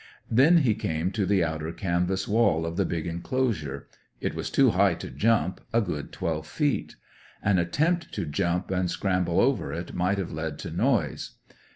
Then he came to the outer canvas wall of the big enclosure. It was too high to jump, a good twelve feet. An attempt to jump and scramble over it might have led to noise.